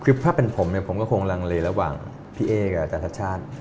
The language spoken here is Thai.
คือถ้าเป็นผมเนี่ยผมก็คงลังเลระหว่างพี่เอ๊กับอาจารย์ชัดชาติ